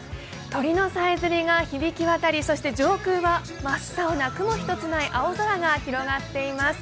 鳥のさえずりが響き渡り、上空は真っ青な雲一つない青空が広がっています。